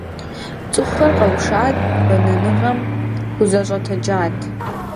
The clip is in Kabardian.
ЦӀыхухэр къэушат, бэнэныгъэм хузэщӀэтэджат.